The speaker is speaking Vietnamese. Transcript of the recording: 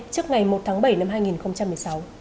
trước ngày một tháng bảy năm hai nghìn một mươi sáu